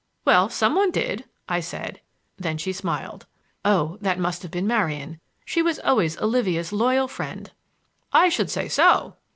"Well, some one did!" I said; then she smiled. "Oh, that must have been Marian. She was always Olivia's loyal friend!" "I should say so!"